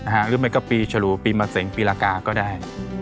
หรือจะอากาศปีฉลูปีมะเสงปีระกาก็ได้